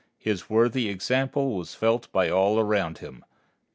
His worthy example was felt by all around him."